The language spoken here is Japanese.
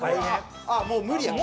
ああもう無理や。